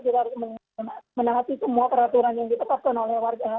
kita harus menaati semua peraturan yang ditetapkan oleh warga